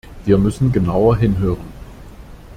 Wir müssen genauer hinhören.